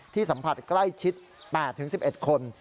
สัมผัสใกล้ชิด๘๑๑คน